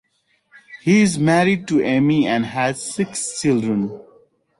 He is married to Amy and has six children.